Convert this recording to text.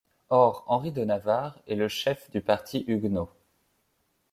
Or Henri de Navarre est le chef du parti huguenot.